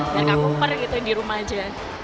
biar kak kuper gitu di rumah aja